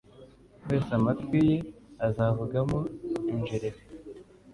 wese amatwi ye azavugamo injereri